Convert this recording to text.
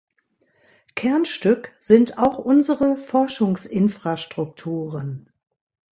Kernstück sind auch unsere Forschungsinfrastrukturen.